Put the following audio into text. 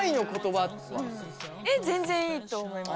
全然いいと思います。